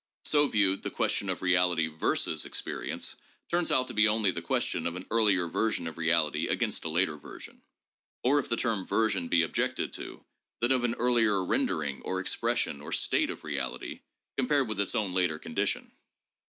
So viewed, the question of reality versus experience turns out to be only the question of an earlier version of reality against a later ver sion,— or if the term 'version' be objected to, then, of an earlier rendering or expression or state of reality compared with its own later condition.